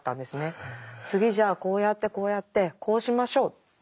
「次じゃあこうやってこうやってこうしましょう」。